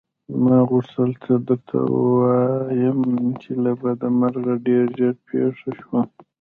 ما غوښتل څه درته ووايم چې له بده مرغه ډېر ژر پېښه شوه.